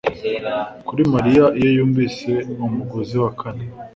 kuri Mariya iyo yumvise umugozi wa kane